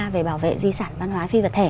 về bảo vệ di sản văn hóa phi vật thể